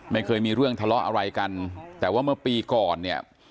ไม่เคยมีเรื่องทะเลาะอะไรกันแต่ว่าเมื่อปีก่อนเนี่ย